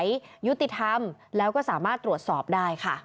ยุติธรรมแล้วก็สามารถตรวจสอบได้ค่ะ